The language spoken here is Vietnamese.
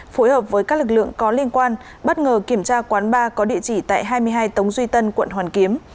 phối hợp với các lực lượng có liên quan bất ngờ kiểm tra quán ba có địa chỉ tại hai mươi hai tống duy tân quận hoàn kiếm